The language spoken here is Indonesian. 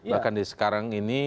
bahkan di sekarang ini